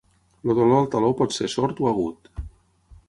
El dolor al taló pot ser sord o agut.